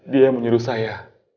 dia yang menyuruh saya